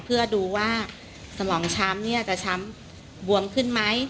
เพื่อดูว่าสมองช้ำเนี่ยจะช้ำบวมขึ้นไหม